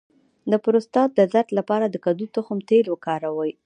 د پروستات د درد لپاره د کدو د تخم تېل وکاروئ